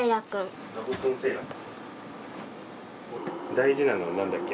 大事なのは何だっけ？